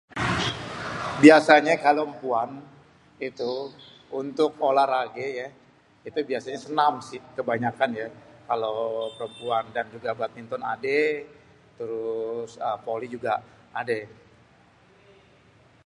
Biasanya kalo êmpuan itu untuk olahragê yê itu biasanyê senam si kebanyakan ya, kalau perempuan dan juga badminton adê, terus volly juga adê.